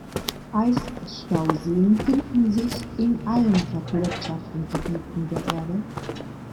Eisstauseen finden sich in allen vergletscherten Gebieten der Erde.